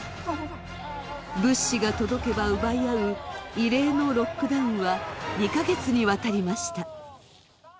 物資が届けば奪い合う異例のロックダウンは２か月にわたりました。